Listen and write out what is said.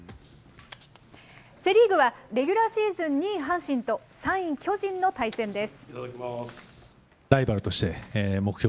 セ・リーグはレギュラーシーズン２位阪神と、３位巨人の対戦です。